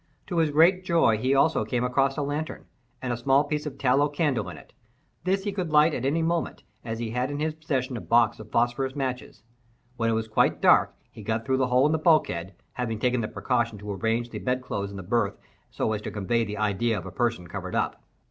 To his great joy he also came across a lantern, with a small piece of tallow candle in it. This he could light at any moment, as he had in his possession a box of phosphorus matches. When it was quite dark, he got through the hole in the bulkhead, having taken the precaution to arrange the bedclothes in the berth so as to convey the idea of a person covered up.